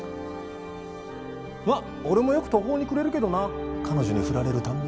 まっ俺もよく途方に暮れるけどな彼女に振られる度に。